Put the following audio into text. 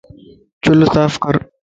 چُلَ صاف ڪر